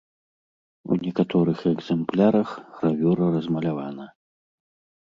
У некаторых экзэмплярах гравюра размалявана.